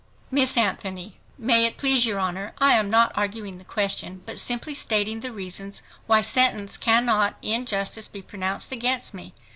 Miss ANTHONY—May it please your Honor, I am not arguing the question, but simply stating the reasons why sentence cannot in justice be pronounced against me.